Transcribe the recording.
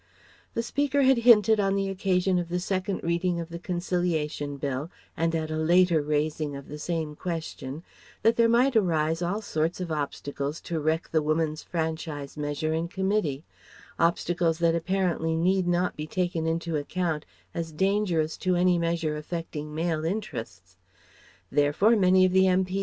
The Speaker had hinted on the occasion of the second reading of the Concilition Bill and at a later raising of the same question that there might arise all sorts of obstacles to wreck the Woman's Franchise measure in Committee; obstacles that apparently need not be taken into account as dangerous to any measure affecting male interests. Therefore many of the M.P.'